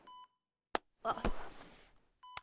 あっ。